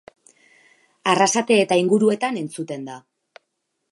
Arrasate eta inguruetan entzuten da.